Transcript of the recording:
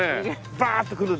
バーッと来るんだ？